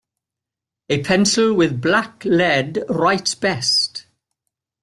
A pencil with black lead writes best.